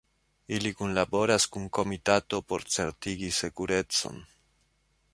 Ili kunlaboris kun komitato por certigi sekurecon.